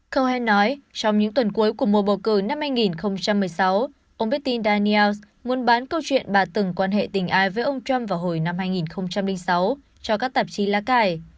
cohen nói trong những tuần cuối của mùa bầu cử năm hai nghìn một mươi sáu ông bếp tin daniels muốn bán câu chuyện bà từng quan hệ tình ai với ông trump vào hồi năm hai nghìn sáu cho các tạp chí lá cải